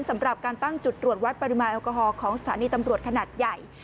สำหรับการตั้งจุดตรวจวัดปริมาณแอลกอฮอล์ของสถานีตำรวจขนาดใหญ่